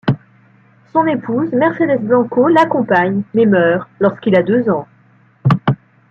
Son épouse Mercedes Blanco l'accompagne, mais meurt lorsqu'il a deux ans.